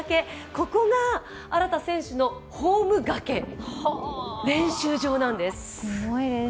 ここが荒田選手のホーム崖練習場なんです。